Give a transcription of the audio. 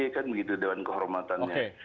kan begitu dewan kehormatannya